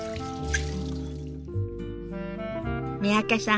三宅さん